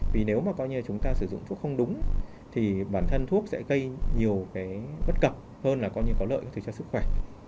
vì nếu mà coi như chúng ta sử dụng thuốc không đúng thì bản thân thuốc sẽ gây nhiều cái bất cập hơn là coi như có lợi cho thứ cho sức khỏe